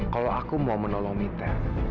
kalau aku mau menolong miter